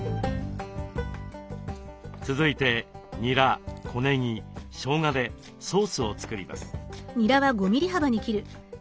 続いてにら小ねぎしょうがでソースを作ります。